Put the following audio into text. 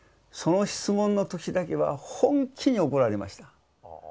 その質問の時だけは本気に怒られました。